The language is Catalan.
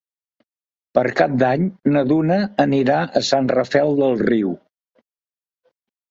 Per Cap d'Any na Duna irà a Sant Rafel del Riu.